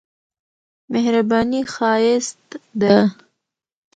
مهرباني ښايست ده.